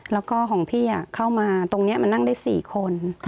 แล้วก็ของพี่เข้ามาตรงนี้มานั่งได้๔คน